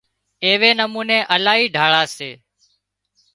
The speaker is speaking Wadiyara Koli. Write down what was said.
ايوي نموني الاهي ڍاۯا سي